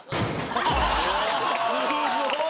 すごい！